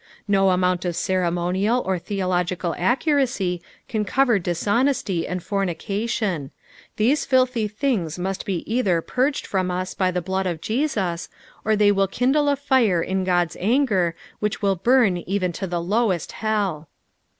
Ho amount of ceremonial or theological accuracy can cover dishonesty and fornication : these filthy things must be cither purged from us by the blood of Jesus, or they will kindle a fire in God's anger which will bum even to the lowest hell.